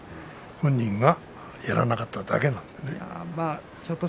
本人がやらなかっただけなんだけど。